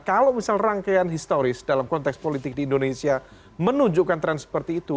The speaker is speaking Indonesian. kalau misal rangkaian historis dalam konteks politik di indonesia menunjukkan tren seperti itu